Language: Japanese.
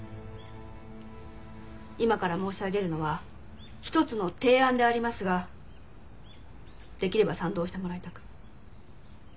今から申し上げるのは一つの提案でありますができれば賛同してもらいたく。